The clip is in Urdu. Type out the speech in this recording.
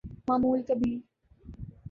معمول کبھی ‘‘۔